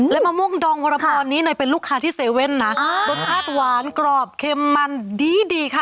และมะม่วงดองวรพรนี้เป็นลูกค้าที่๗๑๑นะรสชาติหวานกรอบเค็มมันดีดีค่ะ